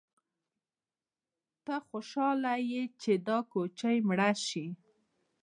_ته خوشاله يې چې دا کوچۍ مړه شي؟